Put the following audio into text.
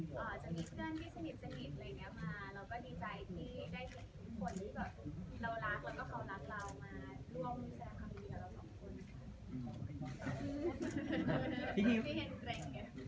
และรักเรามาร่วมแสดงความดีกับเราสองคนค่ะ